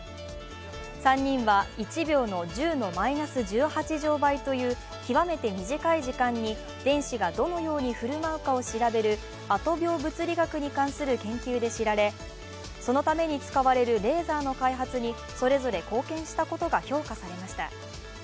３人は１秒の１０のマイナス１８乗倍という極めて短い時間に電子がどのように振る舞うかを調べるアト秒物理学に関する研究で知られそのために使われるレーザーの開発にそれぞれ貢献したことが評価されました。